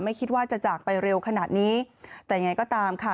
ไม่คิดว่าจะจากไปเร็วขนาดนี้แต่ยังไงก็ตามค่ะ